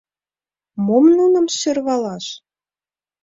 — Мом нуным сӧрвалаш?